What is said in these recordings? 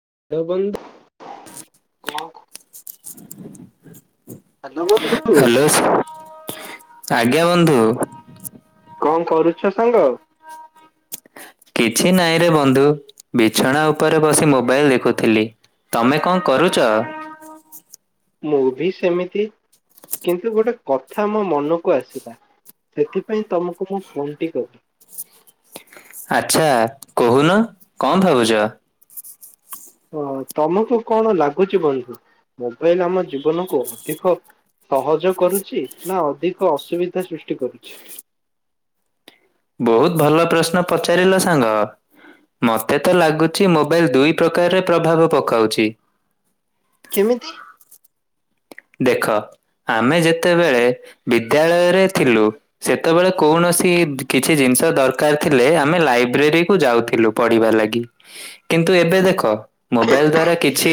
[unintelligible] [inaudible] Hello [unintelligible] [inaudible] ଆଜ୍ଞା ବନ୍ଧୁ। କଣ କରୁଛ ସାଙ୍ଗ? କିଛି ନାଇଁରେ ବନ୍ଧୁ, ବିଛଣା ଉପରେ ବସି ମୋବାଇଲ ଦେଖୁଥିଲି। ତମେ କଣ କରୁଛ? ମୁଁଭି ସେମିତି। କିନ୍ତୁ ଗୋଟେ କଥା ମୋ ମନକୁ ଆସିଲା। ସେଥିପାଇଁ ତମକୁ ମୁଁ ଫୋନଟି କଲି। ଆଚ୍ଛା କହୁନ କଣ ଭାବୁଛ। ହଁ ତମକୁ କଣ ଲାଗୁଛି ବନ୍ଧୁ ।ମୋବାଇଲ ଆମ ଜୀବନକୁ ଅଧିକ ସହଜ କରୁଛି, ନା ଅଧିକ ଅସୁବିଧା ସୃଷ୍ଟି କରୁଛି। ବହୁତ ଭଲ ପ୍ରଶ୍ନ ପଚାରିଲ ସାଙ୍ଗ। ମତେ ତ ଲାଗୁଛି ମୋବାଇଲ ଦୁଇ ପ୍ରକାରରେ ପ୍ରଭାବ ପକାଉଛି। କେମିତି। ଦେଖ ଆମେ ଯେତେବେଳେ ବିଦ୍ୟାଳୟରେ ଥିଲୁ। ସେତେବେଳେ କୌଣ ସି କିଛି ଜିନିଷ ଦରକାର ଥିଲେ! ଆମେ ଲାଇବ୍ରେରୀ କୁ ଯାଉଥିଲୁ ପଢିବା ଲାଗି। କିନ୍ତୁ ଏବେ ଦେଖ। ମୋବାଇଲ ଦ୍ଵାରା କିଛି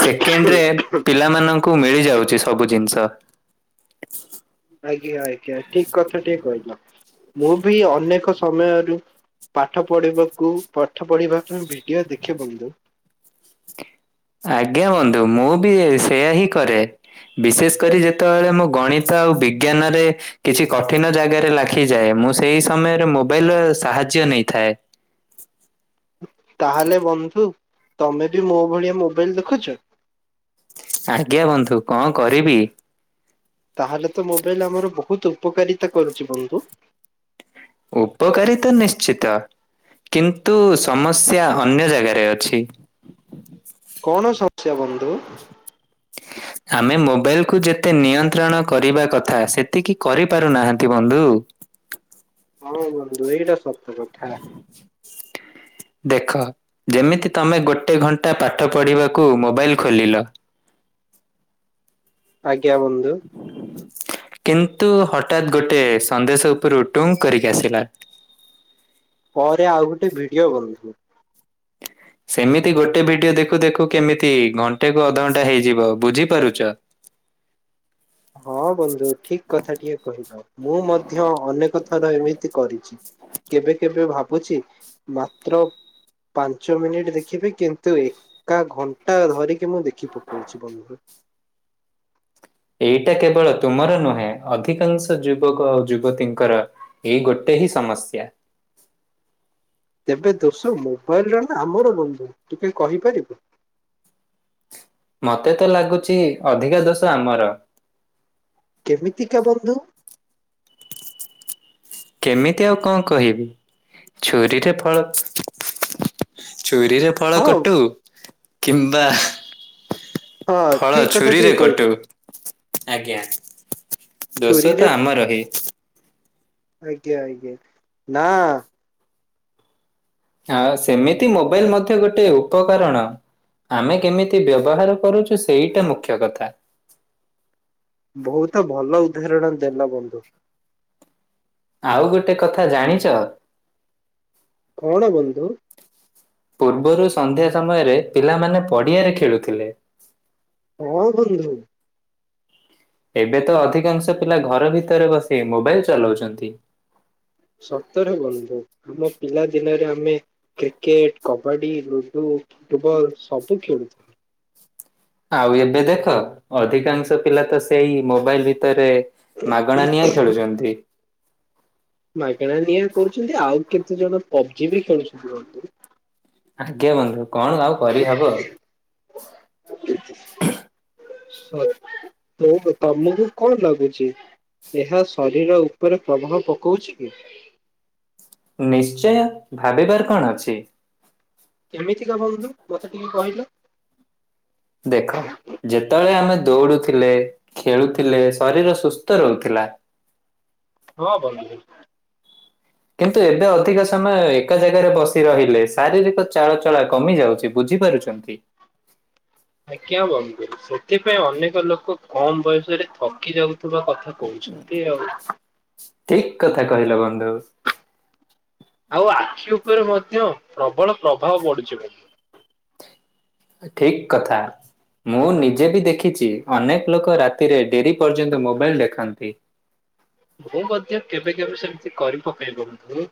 ସେକେଣ୍ଡ ରେ ପିଲାମାନଙ୍କୁ ମିଳି ଯାଉଛି ସବୁ ଜିନିଷ। ସ। ଆଜ୍ଞା ଆଜ୍ଞା! ଠିକ କଥା ଟିକେ କହିଲ ମୁଁ ବି ଅନେକ ସମୟରୁ ପାଠ ପଢିବାକୁ ପାଠ ପଢିବା ପାଇଁ ଭିଡିଓ ଦେଖେ ବନ୍ଧୁ। ହ [inaudible] ଆଜ୍ଞା ବନ୍ଧୁ! ମୁଁ ବି ସେୟା ହିଁ କରେ, ବିଶେଷ କରି ଯେତେବେଳେ ମୁଁ ଗଣିତ ଆଉ ବିଜ୍ଞାନରେ କିଛି କଠିନ ଜାଗାରେ ଲାଖିଯାଏ। ମୁଁ ସେଇ ସମୟରେ ମୋବାଇଲ ର ସାହା ଯ୍ୟ ନେଇଥାଏ। [inaudible] ତାହେଲେ ବନ୍ଧୁ ତମେ ବି ମୋ ଭଳିଆ ମୋବାଇଲ ଦେଖୁଛ। ଆଜ୍ଞା ବନ୍ଧୁ କଣ କରିବି। ତାହେଲେ ତ ମୋବାଇଲ ଆମର ବହୁତ ଉପକାରିତା କରୁଛି ବନ୍ଧୁ ଉପପକରିିତ ନିଶ୍ଚିତ କିନ୍ତୁ ସମସ୍ୟା ଅନ୍ୟ ଜାଗାରେ ଅଛି। କଣ ସମସ୍ୟା ବନ୍ଧୁ ଆମେ ମୋବାଇଲକୁ ଯେତେ ନିୟନ୍ତ୍ରଣ କରିବା କଥା ସେତିକି କରିପାରୁନାହାନ୍ତି ବନ୍ଧୁ ହଁ ବନ୍ଧୁ ଏଇଟା ସତତ କଥା ଦେଖ ଯେମିତି ତମେ ଗୋଟେ ଘଣ୍ଟା ପାଠ ପଢ଼ିବାକୁ ମୋବାଇଲ ଖୋଲିଲ। ଆଜ୍ଞା ବଧୁ କିନ୍ତୁ ହଠାତ୍ ଗୋଟେ ସନ୍ଦେଶ ଉପରୁ ଟୁଙ୍ଗ କରିକି ଆସିଲା ପରେ ଆଉ ଗୋଟେ ଭିଡିଓ ବନୁିବୁ। ସେମିତି ଗୋଟେ ଭିଡିଓ ଦେଖୁ ଦେଖୁ କେମିତି ଘଣ୍ଟେ କୁ ଅଧଘଣ୍ଟା ହେଇଯିବ ବୁଝିପାରୁଛ ହଁ ବନ୍ଧୁ ଠିକ କଥା ଟିକେ କହିଲ ମୁଁ ମଧ୍ୟ ଅନେକ ଥର ଏମିତି କରିଛି। କେବେ କେବେ ଭାବୁଛି ମାତ୍ର ପାଞ୍ଚ ମିନିଟ ଦେଖିବେ କିନ୍ତୁ ଏକା ଘଣ୍ଟା ଧରିକି ମୁଁ ଦେଖି ପକଉଛି ବନ୍ଧୁ ଏଇଟା କେବଳ ତୁମର ନୁହେଁ ଅଧିକାଂଶ ଯୁବକ ଆଉ ଯୁବତୀଙ୍କର ଏଇ ଗୋଟେ ହିଁ ସମସ୍ୟା ହ ତେବେ ଦୋସ ମୋବାଇଲ ର ଆମର ବନ୍ଧୁ ତୁ କି କହିପାରିବୁ ମୋତେ ତ ଲାଗୁଛି ଅଧିକା ଦୋଷ ଆମର କେମିତିକା ବନ୍ଧୁ କେମିତି ଆଉ କଣ କହିବି ଛୁରୀରେ ଫଳ ଚୁରୀରେ ଫଳ ହଁ କଟୁ କିମ୍ବା ହଁ ଫଳ ଠିକ କଥା ଛୁରୀରେ ଟିକେ କହିଲ କଟୁ ଆଜ୍ଞା ଦୋଷ ଛୁରୀରେ ତ ଆମର ହି ଆଜ୍ଞା ଆଜ୍ଞା ନା ହଁ ସେମିତି ମୋବାଇଲ ମଧ୍ୟ ଗୋଟେ ଉପକରଣ ଆମେ କେମିତି ବ୍ୟବହାର କରୁଛୁ ସେଇଟା ମୁଖ୍ୟ କଥା। ବହୁତ ଭଲ ଉଦାହରଣ ଦେଲ ବନ୍ଧୁ। ଆଉ ଗୋଟେ କଥା ଜାଣିଚ? କଣ ବନ୍ଧୁ? ପୂର୍ବରୁ ସନ୍ଧ୍ୟା ସମୟରେ ପିଲାମାନେ ପଡ଼ିଆରେ ଖେଳୁଥିଲେ। ହଁ ବନ୍ଧୁ। ଏବେ ତ ଅଧିକାଂଶ ପିଲା ଘର ଭିତରେ ବସି ମୋବାଇଲ ଚଲଉଛନ୍ତି। ସତରେ ବନ୍ଧୁ ଆମ ପିଲା ଦିନରେ ଆମେ କ୍ରିକେଟ, କବାଡି, ଲୁଡୁ ଫୁଟବଲ ସବୁ ଖେଳୁଥିଲୁ। ଆଉ ଏବେ ଦେଖ ଅଧିକାଂଶ ପିଲା ତ ସେଇ ମୋବାଇଲ ଭିତରେ ମାଗଣା ନିଆଁ ଖେଳୁଛନ୍ତି। କିଛି ଜଣ ପବଜି ବି ଖେଳୁଛନ୍ତି ବନ୍ଧୁ। ଆଜ୍ଞା ବନ୍ଧୁ କଣ ଆଉ କରି ହବ। ତ ତମକୁ କଣ ଲାଗୁଛି? ଏହା ଶରୀର ଉପରେ ପ୍ରଭାବ ପକଉଛି କି? ନିଶ୍ଚୟ ଭାବିବାର କଣ ଅଛି। କେମିତିକା ବନ୍ଧୁ ମତେ ଟିକେ କହିଲ। ଦେଖ ଯେତେବେଳେ ଆମେ ଦୌଡୁଥିଲେ ଖେଳୁଥିଲେ ଶରୀର ସୁସ୍ଥ ରହୁଥିଲା। ହଁ ବନ୍ଧୁ। କିନ୍ତୁ ଏବେ ଅଧିକ ସମୟ ଏକା ଜାଗାରେ ବସି ରହିଲେ ଶାରୀରିକ ଚାଳଚଳା କମି ଯାଉଛି ବୁଝ୍ ଝି ପାରୁଛନ୍ତି। ଆଜ୍ଞା ବନ୍ଧୁ ସେଥିପାଇଁ ଅନେକ ଲୋକ କମ ବୟସରେ ଥକି ଯାଉ ଥୁବା କଥା କହୁଛନ୍ତି ଆଉ। ଠିକ୍ କଥା କହିଲ ବନ୍ଧୁ। ଆଉ ଆଖି ଉପରେ ମଧ୍ୟ ପ୍ରବଳ ପ୍ରଭାବ ବଢୁଛି ବ ଠିକ୍ କଥା ମୁଁ ନିଜେ ବି ଦେଖିଛି ଅନେକ୍ ଲୋକ ରାତିରେ ଡେରି ପର୍ଯ୍ୟନ୍ତ ମୋବାଇଲ ଦେଖନ୍ତି । ମୁଁ ମଧ୍ୟ କେବେ କେବେ ସେମିତି କରି ପକାଏ ବନ୍ଧୁ।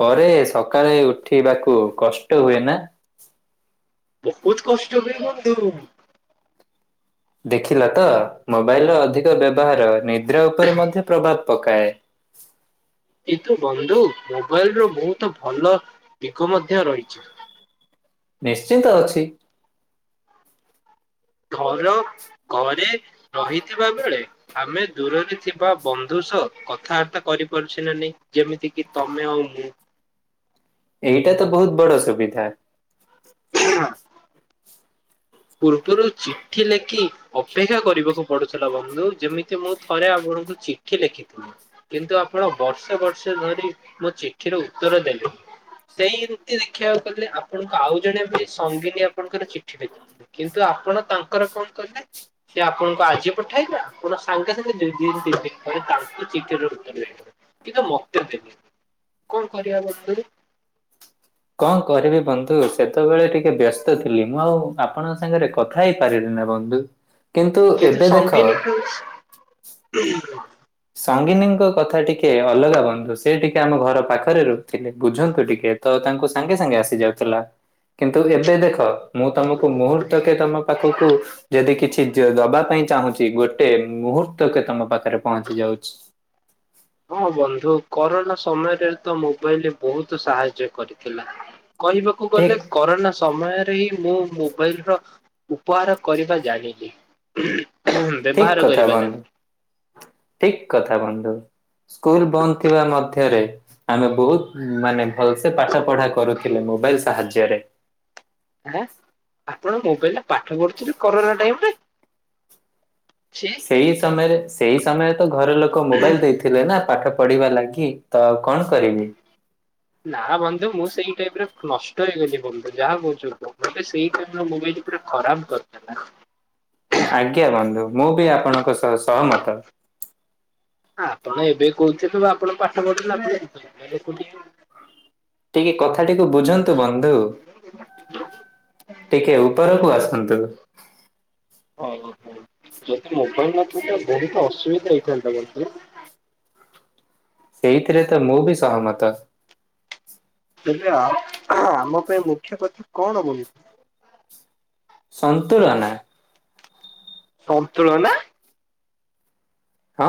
ପରେ ସକାଳେ ଉଠିବାକୁ କଷ୍ଟ ହୁଏ ନା? ବହୁତ୍ କଷ୍ଟ ହୁଏ ବନ୍ଧୁ। ଦେଖିଲ ତ ମୋବାଇଲ ର ଅଧିକ ବ୍ୟବହାର ନିଦ୍ରା ଉପରେ ମଧ୍ୟ ପ୍ରଭାବ ପକାଏ। [unintelligible] କିନ୍ତୁ ବନ୍ଧୁ ମୋବାଇଲ ର ବହୁତ ଭଲ ଦିଗ ମଧ୍ୟ ରହିଛି। ଁ [unintelligible] ନିଶ୍ଚିନ୍ତ ଅଛି। ଫର ଘରେ ରହିଥିବା ବେଳେ ଆମେ ଦୂରରେ ଥିବା ବନ୍ଧୁ ସହ କଥାବାର୍ତ୍ତା କ ରି ପାରୁଛେ ନା ନାଇଁ ଯେମିତି କି ତମେ ଆଉ ମୁଁ। ଏଇଟା ତ ବହୁତ ବଡ ସୁବିଧା। [unintelligible] ପୂର୍ବରୁ ଚିଠି ଲେଖି ଅପେକ୍ଷା କରିବାକୁ ପଡୁଥିଲା ବନ୍ଧୁ ଯେମିତି ମୁଁ ଥରେ ଆପ ଣଙ୍କୁ ଚିଠି ଲେଖି ଥିଲି କିନ୍ତୁ ଆପଣ ବର୍ଷେ ବର୍ଷ ଧରି ମୋ ଚିଠିର ଉତ୍ତର ଦେଲେନି। ସେଇ ଏମିତି ଦେଖିବାକୁ ଗଲେ ଆପଣଙ୍କୁ ଆଉ ଜଣେ ବି ସଙ୍ଗିନୀ ଆପଣଙ୍କର ଚିଠି ଲେଖି କିନ୍ତୁ ଆପଣ ତାଙ୍କର କଣ କଲେ ସେ ଆପଣଙ୍କୁ ଆଜି ପଠାଇଲା ଆପଣ ସାଙ୍ଗେ ସାଙ୍ଗେ ଦି ଦିନ ତିନି ଦିନ ପରେ ତାଙ୍କୁ ଚିଠିର ଉତ୍ତର ଦେଇଦେଲେ। କିନ୍ତୁ ମତେ ଦେଲେନି କଣ କରିବା ବନ୍ଧୁ? କଣ କରିବି ବନ୍ଧୁ ସେତେବେଳେ ଟିକେ ବ୍ୟସ୍ତ ଥିଲି ମୁଁ ଆଉ ଆପଣଙ୍କ ସାଙ୍ଗରେ କଥା ହେଇ ପାରିଲିନି। ବନ୍ଧୁ କିନ୍ତୁ ଏବେ ଦେଖ ସଙ୍ଗିନୀଙ୍କ କଥା ଟିକେ ଅଲଗା ବନ୍ଧୁ ସେ ଟିକେ ଆମ ଘର ପାଖରେ ରହୁଥିଲେ ବୁଝନ୍ତୁ ଟିକେ ତ ତାଙ୍କୁ ସାଙ୍ଗେ ସାଙ୍ଗେ ଆସି ଯାଉଥିଲା। କିନ୍ତୁ ଏବେ ଦେଖ ମୁଁ ତମକୁ ମୁହୂର୍ତ୍ତକେ ତମ ପାଖକୁ ଯଦି କିଛି ଯେ ଦବା ପାଇଁ ଚାହୁଁଛି ଗୋଟେ ମୁହୂର୍ତ୍ତ କେ ତମ ପାଖରେ ପହଞ୍ଚି ଯାଉଛି ହଁ ବନ୍ଧୁ କରୋନା ସମୟରେ ତ ମୋବାଇଲ ବହୁତ ସାହାଯ୍ୟ କରିଥିଲା। କହିବାକୁ ଠିକ ଗଲେ କରୋନା ସମୟରେ ମୁଁ ମୋବାଇଲ ର ବବହାର କରିବା ଜାଣିଲି ଠିକ ବ୍ୟବହାର କଥା କରିବା ବନ୍ଧୁ, ଠିକ କଥା ବନ୍ଧୁ ସ୍କୁଲ ବନ୍ଦ ଥିବା ମଧ୍ୟରେ, ଆମେ ବହୁତ ମାନେ ଭଲ୍ ସେ ପାଠ ପଢା କରୁଥିଲେ। ମୋବାଇଲ ସାହାଯ୍ୟ ରେ ଏଁ ଆପଣ ମୋବାଇଲରେ ପାଠ ପଢୁଥିଲେୁ କରୋନା ଟାଇମରେ ସେଇ ସମୟରେ ସେଇ ସମୟରେ ତ ଘର ଲୋକ ମୋବାଇଲ ଦେଇଥିଲେ ନା ପାଠ ପଢିବା ଲାଗି ତ କଣ କରିବି? ନା ବନ୍ଧୁ ମୁଁ ସେଇ ଟାଇପର ନଷ୍ଟ ହେଇଗଲି ବନ୍ଧୁ ଯାହା କହୁଛ କୁହ ମତେ ସେଇ ଟାଇମ ରେ ମୋବାଇଲ ପୁରା ଖରାପ କରିଦେଲା ହଁ [unintelligible] ଆଜ୍ଞା ବନ୍ଧୁ ମୁ ବି ଆପଣଙ୍କ ସହ ସହମତ ଆପଣ ଏବେ କହୁଥିଲୁ ଆପଣ ପାଠ ପଢିନଥୀଲେ ଟିକେ କଥାଟିକୁ ବୁଝନ୍ତୁ ବନ୍ଧୁ ଟିକେ ଆଜ୍ଞା ଉପରକୁ ଆସନ୍ତୁ ଓହୋ ଯଦି ମୋବାଇଲ ନଥାନ୍ତା ବହୁତ ଅସୁବିଧା ହେଇଥାନ୍ତା ବନ୍ଧୁ ସେଇଥିରେ ତ ମୁଁ ବି ସହମତ। ତବେ ଆମ ପାଇଁ ମୁଖ୍ୟ କଥା କଣ? [unintelligible] ସନ୍ତୁନା ସନ୍ତୁଳ ନା। ହଁ,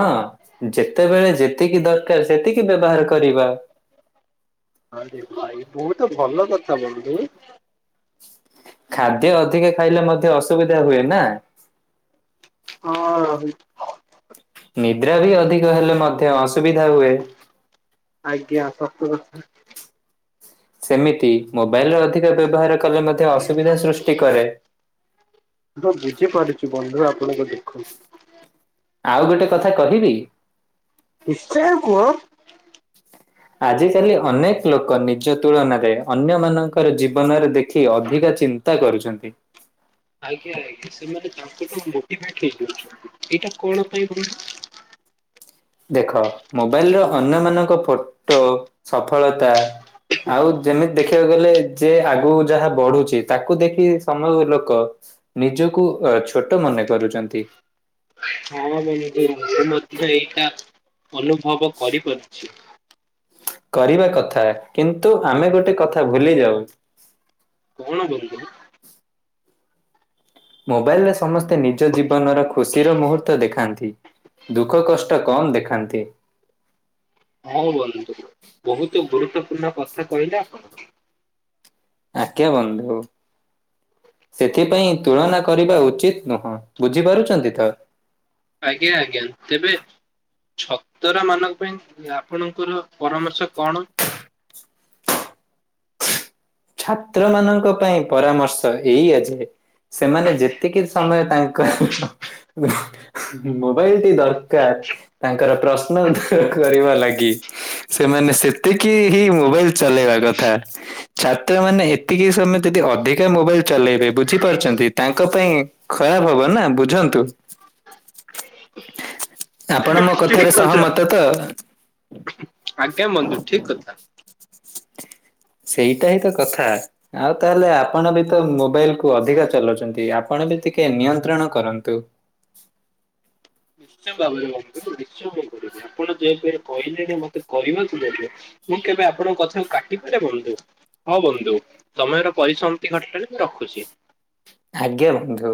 ଯେତେବେଳେ ଯେତିକି ଦରକାର ସେତିକି ବ୍ୟବହାର କରିବା। ହ ଭାଇ ବହୁତ ଭଲ କଥା ବନ୍ଧୁ। ଖାଦ୍ୟ ଅଧିକା ଖାଇଲେ ମଧ୍ୟ ଅସୁବିଧା ହୁଏ ନା, ହଁ। ନିଦ୍ରା ବି ଅଧିକ ହେଲେ ମଧ୍ୟ, ଅସୁବିଧା ହୁଏ। [unintelligible] ସେମିତି ମୋବାଇଲ ର ଅଧିକ ବ୍ୟବହାର କଲେ ମଧ୍ୟ ଅସୁବିଧା ସୃଷ୍ଟି କରେ। କଣକୁ ଦେଖୁ। ଆଉ ଗୋଟେ କଥା କହିବି? ନିଶ୍ଚୟ କୁହ। ଆଜିକାଲି ଅନେକ ଲୋକ ନିଜ ତୁଳନାରେ ଅନ୍ୟ ମାନଙ୍କର ଜୀବନରେ ଦେଖି ଅଧି ଚିନ୍ତା କରୁଚନ୍ତି। [inaudible] ଆଜ୍ଞା ଆଜ୍ଞା ସେମାନେ ତାଙ୍କଠୁ ମୋଟି ଫାଏ ଠିକ କରୁଛନ୍ତି ଏଇଟା କ, ଣ ପାଇଁ କହିଲୁ। [inaudible] ଦେଖ ମୋବାଇଲ ଲୋ ଅନ୍ୟମାନଙ୍କ ଫଟୋ, ସଫଳତା ଆଉ ଯେମିତି ଦେଖିବାକୁ ଗଲେ ଯେ ଆଗୁ ଯାହା ବଢ଼ୁଚି ତାକୁ ଦେଖି ସମୟ ଲୋକ। ନିଜକୁ ୱ ଛୋଟ ମନେ କରୁଚନ୍ତି। ହଁ ବନ୍ଧୁ ମୁଁ ମଧ୍ୟ ଏଇଟା ଅନୁଭବ କରିପାରୁଛି। କରିବା କଥା କିନ୍ତୁ ଆମେ ଗୋଟେ କଥା ଭୁଲି ଯାଉ। କଣ କରୁଥେଲୁ। ମୋବାଇଲରେ ସମସ୍ତେ ନିଜ ଜୀବନର ଖୁସି ର ମୂହୁର୍ତ୍ତ ଦେଖାନ୍ତି। ଦୁଃଖ କଷ୍ଟ କମ୍ ଦେଖାନ୍ତି। ହଁ ବନ୍ଧୁ ବହୁତ ଗୁରୁତ୍ୱପୂର୍ଣ୍ଣ କଥା କହିଲେ ଆପଣ। ଆଜ୍ଞା ବନ୍ଧୁ। ସେଥିପାଇଁ ତୁଳନା କରିବା ଉଚିତ ନୁହଁ, ବୁଝିପାରୁଛନ୍ତି ତ । ଆଜ୍ଞା ଆଜ୍ଞା ତେବେ ଛତରା ମାନଙ୍କ ପାଇଁ ଆପଣଙ୍କର ପରାମର୍ଶ କଣ? [unintelligible] ଛାତ୍ର ମାନଙ୍କ ପାଇଁ ପରାମର୍ଶ ଏଇଆ ଯେ ସେମାନେ ଯେତିକି ସମୟ ତାଙ୍କ ମୋବାଇଲ ଟି ଦରକାର ତାଙ୍କର ପ୍ରଶ୍ନ ଉ ଦୂର କରିବା ଲାଗି ସେମାନେ ସେତିକି ହି ମୋବାଇଲ ଚଲେଇବା କଥା। ଛାତ୍ର ମାନେ ଏତିକି ସମୟ ଯଦି ଅଧିକା ମୋବାଇଲ ଚଲେଇବେ ବୁଝିପାରୁଛନ୍ତି ତାଙ୍କ ପାଇଁ ଖରାପ । ହବ ନା ବୁଝନ୍ତୁ। [inaudible] ଆପଣ ମୋ ଠିକ କଥାରେ କଥା ସହମତ ତ? ଆଜ୍ଞା ବନ୍ଧୁ ଠିକ୍ କଥା। ସେଇଟା ହିଁ ତ କଥା ଆଉ ତାହେଲେ ଆପଣ ବି ତ ମୋବାଇଲ କୁ ଅଧିକା ଚଲାଉଛନ୍ତି। ଆପଣ ଟିକେ ନିୟନ୍ତ୍ରଣ କରନ୍ତୁ। [unintelligible] ଆପଣ ଯେପରେ କହିଲେଣି ମତେ କକୁ ଦେବେ ମୁଁ କେବେ ଆପଣଙ୍କ କଥାକୁ କାଟିପାରେ ବନ୍ଧୁ। ହଁ ବନ୍ଧୁ ତମର ପରିସମତି ଘଟିଲାଣି ମୁଁ ରଖୁଛି। ଆଜ୍ଞା ବନ୍ଧୁ।